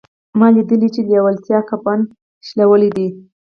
ما ليدلي چې لېوالتیا کفن شلولی دی.